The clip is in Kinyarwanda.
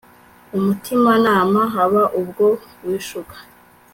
umutimanama haba ubwo wishuka